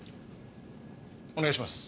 お願いします。